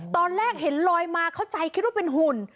ตอนแรกเห็นลอยมาเข้าใจคิดว่าเป็นหุ่น